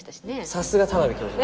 さすが田邊教授！